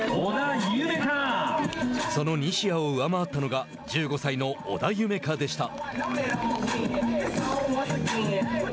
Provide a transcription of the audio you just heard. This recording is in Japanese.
その西矢を上回ったのが１５歳の織田夢海でした。